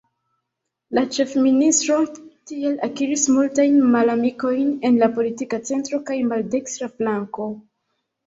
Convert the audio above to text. La ĉefministro tiel akiris multajn malamikojn en la politika centro kaj maldekstra flanko.